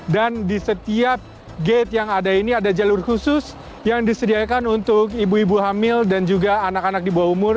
dan di setiap gate yang ada ini ada jalur khusus yang disediakan untuk ibu ibu hamil dan juga anak anak di bawah umur